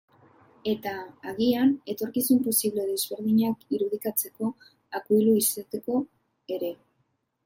Eta, agian, etorkizun posible desberdinak irudikatzeko akuilu izateko ere.